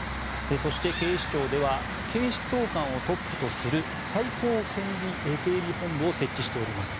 そして、警視庁では警視総監をトップとする最高警備本部を設置しております。